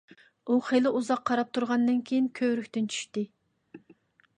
ئۇ خېلى ئۇزاق قاراپ تۇرغاندىن كېيىن، كۆۋرۈكتىن چۈشتى.